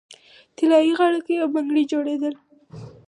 طلايي غاړکۍ او بنګړي جوړیدل